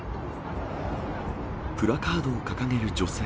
プラカードを掲げる女性。